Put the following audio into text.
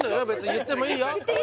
言ってもいいよ